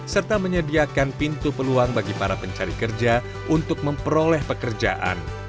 serta menyediakan pintu peluang bagi para pencari kerja untuk memperoleh pekerjaan